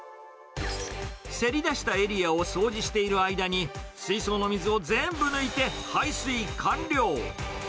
せり出したエリアを掃除している間に、水槽の水を全部抜いて、排水完了。